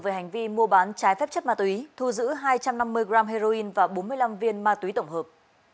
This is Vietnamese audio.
về hành vi mua bán trái phép chất ma túy thu giữ hai trăm năm mươi g heroin và bốn mươi năm viên ma túy tổng hợp